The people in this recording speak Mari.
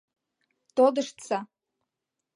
— Тодыштса!